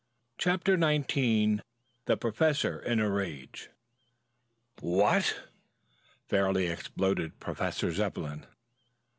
CHAPTER XIX THE PROFESSOR IN A RAGE "What!" fairly exploded Professor Zepplin.